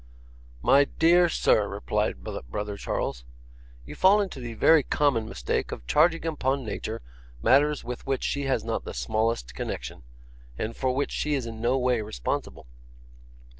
'My dear sir,' replied brother Charles, 'you fall into the very common mistake of charging upon Nature, matters with which she has not the smallest connection, and for which she is in no way responsible.